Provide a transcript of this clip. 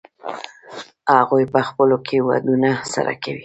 هغوی په خپلو کې ودونه سره کوي.